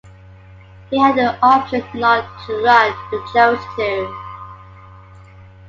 He had the option not to run but chose to.